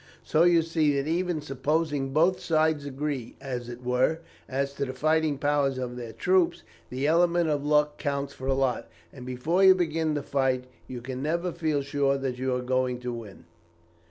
So you see that even supposing both sides agree, as it were, as to the fighting powers of their troops, the element of luck counts for a lot, and before you begin to fight you can never feel sure that you are going to win."